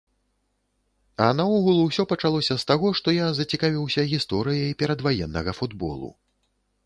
А наогул усё пачалося з таго, што я зацікавіўся гісторыяй перадваеннага футболу.